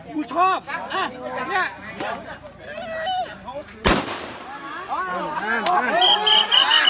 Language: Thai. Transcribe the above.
พ่อหนูเป็นใคร